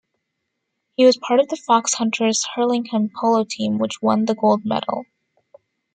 He was part of the Foxhunters Hurlingham polo team which won the gold medal.